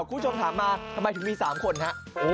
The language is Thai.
คุณผู้ชมถามมาทำไมถึงมี๓คนฮะ